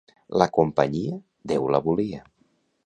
La companyia, Déu la volia.